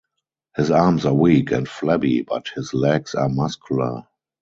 His arms are weak and flabby but his legs are muscular.